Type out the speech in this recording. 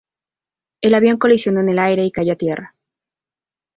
El avión colisionó en el aire y cayó a tierra.